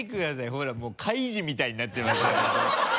ほらもう「カイジ」みたいになってますよ。